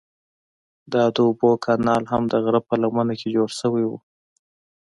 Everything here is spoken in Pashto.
دا د اوبو کانال هم د غره په لمنه کې جوړ شوی و.